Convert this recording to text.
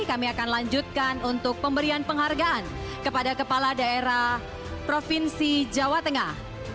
kami akan lanjutkan untuk pemberian penghargaan kepada kepala daerah provinsi jawa tengah